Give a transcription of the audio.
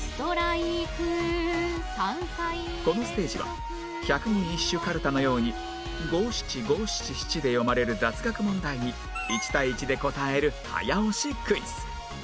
このステージは百人一首かるたのように五七五七七で読まれる雑学問題に１対１で答える早押しクイズ